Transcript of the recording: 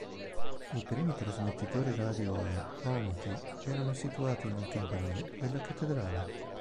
I primi trasmettitori radio a Almaty erano situati nel campanile della cattedrale.